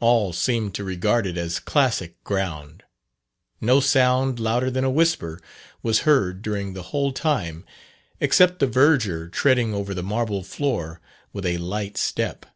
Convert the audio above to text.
All seemed to regard it as classic ground. No sound louder than a whisper was heard during the whole time, except the verger treading over the marble floor with a light step.